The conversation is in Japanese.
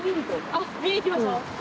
あっ見に行きましょう！